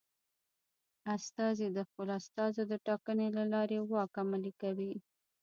استازي د خپلو استازو د ټاکنې له لارې واک عملي کوي.